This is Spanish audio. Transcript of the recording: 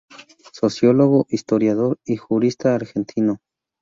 Sociólogo, historiador y jurista argentino.